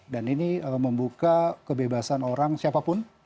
dan ini membuka kebebasan orang siapapun